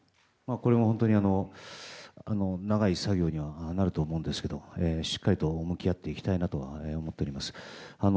これも本当に長い作業にはなると思うんですけどしっかりと向き合っていきたいなとは思っております。